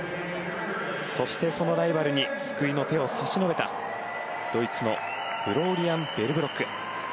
そして、そのライバルに救いの手を差し伸べたドイツのフローリアン・ベルブロック。